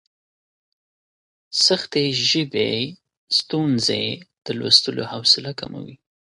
سختې ژبې ستونزې د لوستلو حوصله کموي.